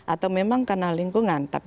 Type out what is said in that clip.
atau memang karena lingkungan